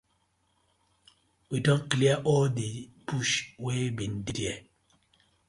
We don clear all di bush wey been dey dere.